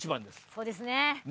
そうですね。